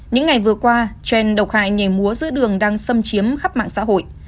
những ngày vừa qua trend độc hại nhảy múa giữa đường đang xâm chiếm khắp mạng xã hội